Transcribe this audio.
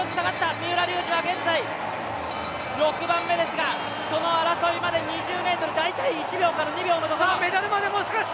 三浦龍司は現在６番目ですがその争いまで２０ｍ、大体１秒から２秒の差。